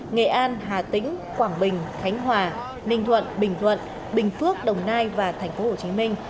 nghệ an hà tĩnh quảng bình khánh hòa ninh thuận bình thuận bình phước đồng nai và tp hcm